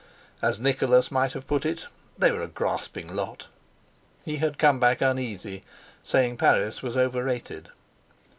As Nicholas might have put it—they were a grasping lot. He had come back uneasy, saying Paris was overrated.